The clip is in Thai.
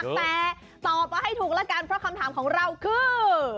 แต่ตอบมาให้ถูกละกันเพราะคำถามของเราคือ